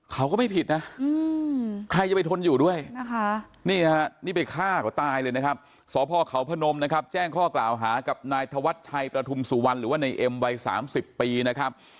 เขาก็ไม่ผิดนะใครจะไปทนอยู่ด้วยนะคะนี่ฮะนี่ไปฆ่าเขาตายเลยนะครับสพเขาพนมนะครับแจ้งข้อกล่าวหากับนายธวัชชัยประทุมสุวรรณหรือว่าในเอ็มวัย๓๐ปีนะครับ